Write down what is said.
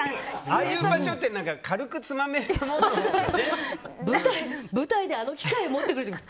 ああいう場所って軽くつまめるものをね。